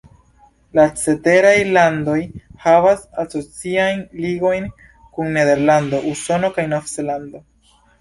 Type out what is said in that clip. La ceteraj landoj havas asociajn ligojn kun Nederlando, Usono kaj Nov-Zelando.